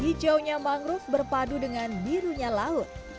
hijaunya mangrove berpadu dengan birunya laut